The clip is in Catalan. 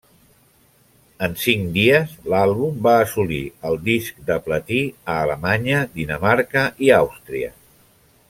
En cinc dies, l'àlbum va assolir el disc de platí a Alemanya, Dinamarca i Àustria.